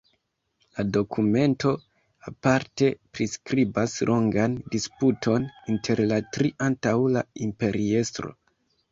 La dokumento aparte priskribas longan disputon inter la tri antaŭ la imperiestro.